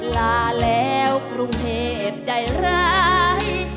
ลาแล้วกรุงเทพใจร้าย